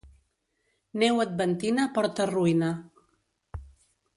Neu adventina porta ruïna.